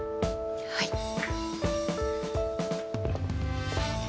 はい！